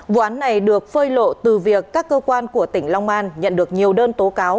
vụ án này được phơi lộ từ việc các cơ quan của tỉnh long an nhận được nhiều đơn tố cáo